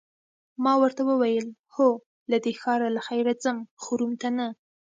ما ورته وویل: هو، له دې ښاره له خیره ځم، خو روم ته نه.